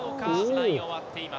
ラインを割っています。